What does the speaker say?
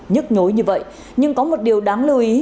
nhức nhối như vậy nhưng có một điều đáng lưu ý